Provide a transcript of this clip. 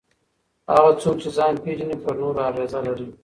هغه څوک چې ځان پېژني پر نورو اغېزه لري.